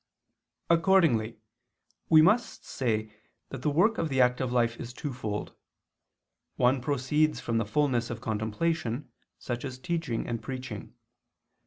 Accordingly we must say that the work of the active life is twofold. one proceeds from the fulness of contemplation, such as teaching and preaching.